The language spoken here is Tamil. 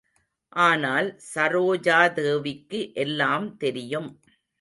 ஆனால் சரோஜாதேவிக்கு எல்லாம் தெரியும்.